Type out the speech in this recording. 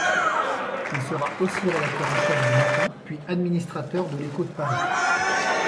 Il sera aussi rédacteur en chef du Matin puis administrateur de L'Écho de Paris.